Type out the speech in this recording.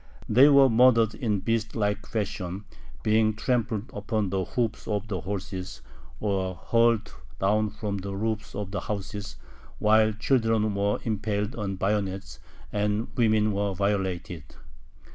They were murdered in beastlike fashion, being trampled under the hoofs of the horses, or hurled down from the roofs of the houses, while children were impaled on bayonets, and women were violated.